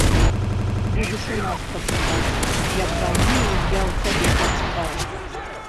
Будзеш у нас працаваць, як даўней я ў цябе працаваў.